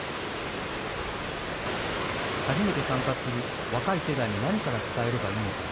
初めて参加する若い世代に何から伝えればいいのか。